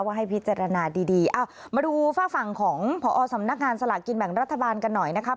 ให้พิจารณาดีดีเอ้ามาดูฝากฝั่งของพอสำนักงานสลากกินแบ่งรัฐบาลกันหน่อยนะคะ